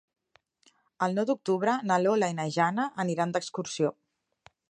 El nou d'octubre na Lola i na Jana aniran d'excursió.